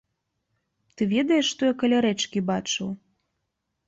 Ты ведаеш, што я каля рэчкі бачыў?